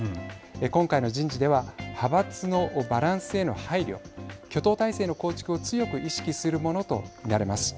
今回の人事では派閥のバランスへの配慮挙党体制の構築を強く意識するものと見られます。